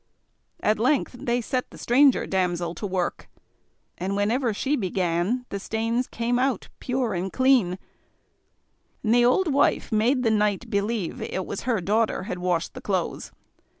At length they set the stranger damsel to work; and whenever she began, the stains came out pure and clean, and the old wife made the knight believe it was her daughter had washed the clothes.